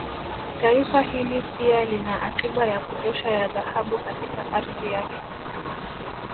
Taifa hili pia lina akiba ya kutosha ya Dhahabu katika ardhi yake